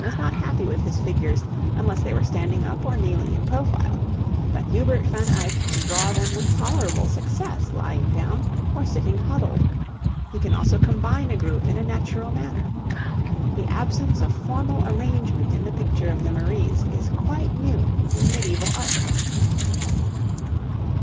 was not happy with his figures unless they were standing up or kneeling in profile, but Hubert van Eyck can draw them with tolerable success lying down, or sitting huddled. He can also combine a group in a natural manner. The absence of formal arrangement in the picture of the Maries is quite new in medieval art.